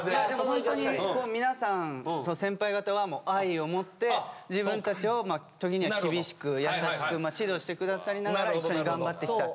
ホントに皆さん先輩方は愛を持って自分たちを時には厳しく優しく指導してくださりながら一緒に頑張ってきたっていう。